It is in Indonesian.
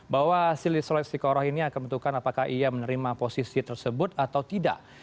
bahwa silisolat istiqorah ini akan bentukan apakah ia menerima posisi tersebut atau tidak